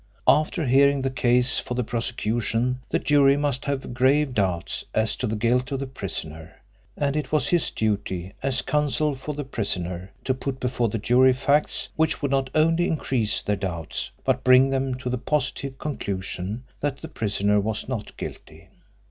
After hearing the case for the prosecution the jury must have grave doubts as to the guilt of the prisoner, and it was his duty as Counsel for the prisoner to put before the jury facts which would not only increase their doubts but bring them to the positive conclusion that the prisoner was not guilty.